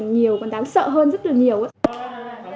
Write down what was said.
đáng sợ hơn rất là nhiều